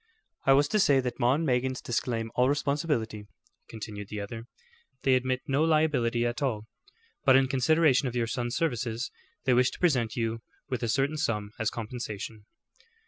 "I was to say that 'Maw and Meggins' disclaim all responsibility," continued the other. "They admit no liability at all, but in consideration of your son's services, they wish to present you with a certain sum as compensation."